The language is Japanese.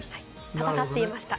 戦っていました。